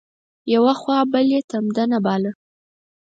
یوه خوا بل بې تمدنه باله